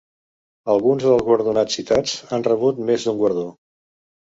Alguns dels guardonats citats han rebut més d'un guardó.